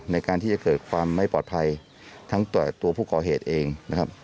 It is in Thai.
ในการที่จะเกิดความไม่ปลอดภัยทั้งตัวผู้ก่อเหตุเองนะครับ